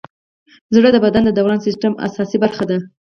زړه د بدن د دوران سیسټم اساسي برخه ده.